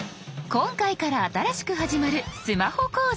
今回から新しく始まるスマホ講座。